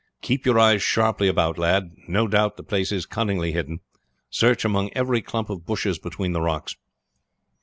"Keep your eyes sharply about, lads. No doubt the place is cunningly hidden. Search among every clump of bushes between the rocks."